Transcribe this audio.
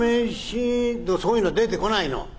「そういうの出てこないの。